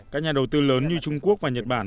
các nhà đầu tư lớn như trung quốc và nhật bản